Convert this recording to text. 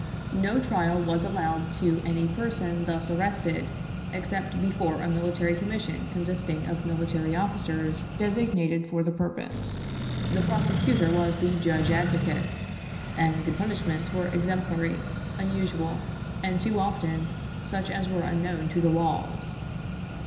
No trial was allowed to any person thus arrested except before a military commission consisting of military officers designated for the purpose; the prosecutor was the Judge Advocate, and the punishments were exemplary, unusual, and too often such as were unknown to the laws.